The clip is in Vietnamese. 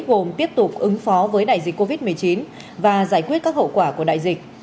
gồm tiếp tục ứng phó với đại dịch covid một mươi chín và giải quyết các hậu quả của đại dịch